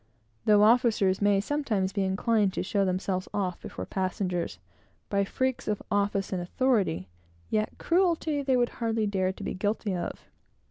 Though officers may sometimes be inclined to show themselves off before passengers, by freaks of office and authority, yet cruelty they would hardly dare to be guilty of.